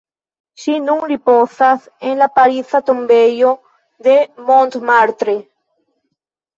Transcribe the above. Ŝi nun ripozas en la pariza tombejo de Montmartre.